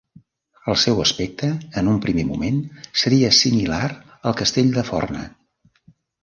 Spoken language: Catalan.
El seu aspecte en un primer moment seria similar al castell de Forna.